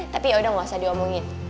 tapi yaudah gak usah diomongin